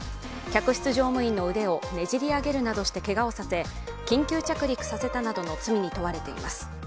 客室乗務員の腕をねじり上げるなどしてけがをさせ緊急着陸させたなどの罪に問われています。